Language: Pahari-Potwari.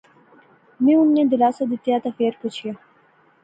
میں انیں دلاسا دتہ تہ فیر پچھیا